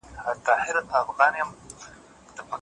پر تندیو چي خپاره وي اوربلونه د پېغلوټو